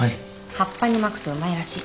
葉っぱに巻くとうまいらしい。